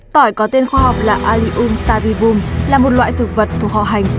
tỏi có tên khoa học là alium stavivum là một loại thực vật thuộc họ hành